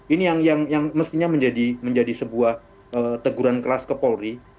ini yang mestinya menjadi sebuah teguran keras ke polri